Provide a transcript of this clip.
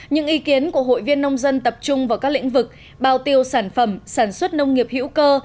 những ý kiến của hội viên nông dân tập trung vào các lĩnh vực bao tiêu sản phẩm sản xuất nông nghiệp hữu cơ